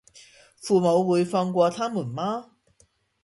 父母會放過他們嗎